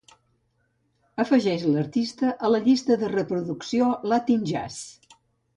Afegeix l'artista a la llista de reproducció Latin Jazz.